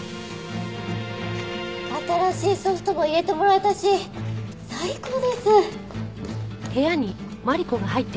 新しいソフトも入れてもらえたし最高です！